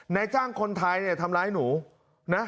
นายจ้างคนไทยเนี่ยทำร้ายหนูนะ